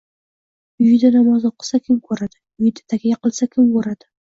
— Uyida namoz o‘qisa, kim ko‘radi? Uyida takya kiysa, kim ko‘radi?